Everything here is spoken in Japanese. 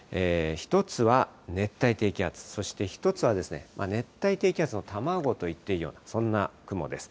１つは熱帯低気圧、そして１つはですね、熱帯低気圧の卵と言っていいような、そんな雲です。